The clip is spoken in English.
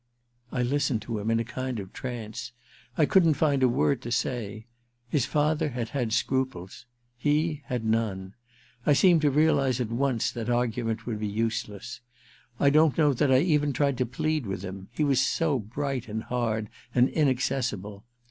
I listened to him in a kind of trance. I couldn't find a word to say. His father had had scruples — he had 1 none. I seemed to realize at once that argu jment would be useless. I don't know that I even tried to plead with him — he was so bright and hard and inaccessible